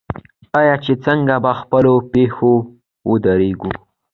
آیا چې څنګه په خپلو پښو ودریږو؟